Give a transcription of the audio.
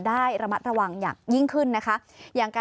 ได้ระมัดระวังอย่างยิ่งขึ้นนะคะ